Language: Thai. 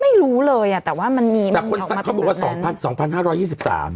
ไม่รู้เลยอ่ะแต่ว่ามันมีมาแต่คนเขาบอกว่าสองพันสองพันห้าร้อยยี่สิบสาม